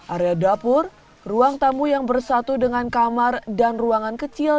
area dapur ruang tamu yang bersatu dengan kamar dan ruangan kecil